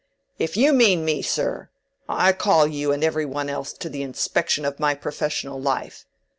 "If you mean me, sir, I call you and every one else to the inspection of my professional life.